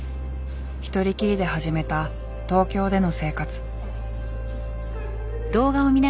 一人きりで始めた東京での生活。